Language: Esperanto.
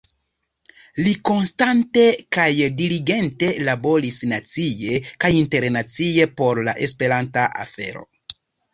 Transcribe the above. Li konstante kaj diligente laboris nacie kaj internacie por la esperanta afero.